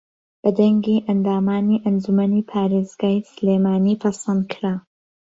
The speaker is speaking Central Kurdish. بە دەنگی ئەندامانی ئەنجوومەنی پارێزگای سلێمانی پەسەندکرا